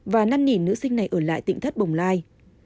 và năn nỉ nữ sinh này ở lại tịnh thất bồng lai